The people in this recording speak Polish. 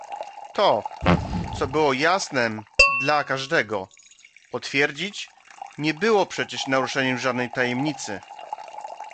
"To, co było jasnem dla każdego, potwierdzić, nie było przecież naruszeniem żadnej tajemnicy."